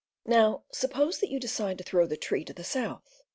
Now, suppose that you decide to throw the tree to the south.